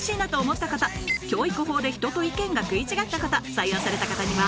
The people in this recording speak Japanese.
採用された方には